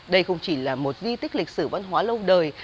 đây không chỉ là một di tích lịch sử văn hóa lâu đời